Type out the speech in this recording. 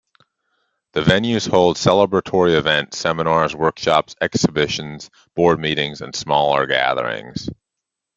The venues hold celebratory events, seminars, workshops, exhibitions, board meetings and smaller gatherings.